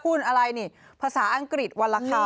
คุณอะไรนี่ภาษาอังกฤษวันละคำ